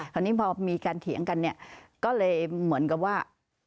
คราวนี้พอมีการเถียงกันเนี่ยก็เลยเหมือนกับว่า